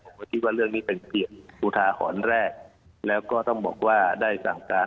ผมก็คิดว่าเรื่องนี้เป็นผิดภูถาขอร์ลแรกแล้วก็ต้องบอกว่าได้สั่งการ